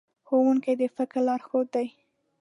ښوونکي د فکر لارښود دي.